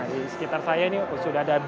di sekitar saya ini sudah ada brand dari kolde